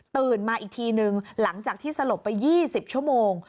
มาอีกทีนึงหลังจากที่สลบไป๒๐ชั่วโมง